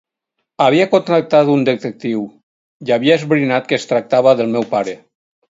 Havia contractat un detectiu i havia esbrinat que es tractava del meu pare.